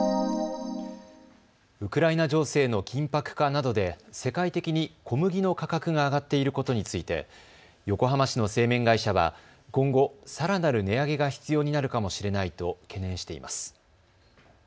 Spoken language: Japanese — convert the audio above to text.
ウクライナ情勢の緊迫化などで世界的に小麦の価格が上がっていることについて横浜市の製麺会社は今後、さらなる値上げが必要になるかもしれないと懸念しています。